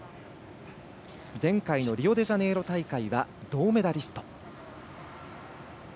前回のリオデジャネイロ大会は銅メダリスト。